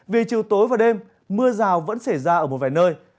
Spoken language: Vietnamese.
về chiều tối và đêm mưa rào vẫn xảy ra ở một vài nơi